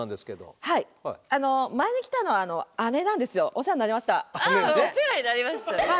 「お世話になりました」。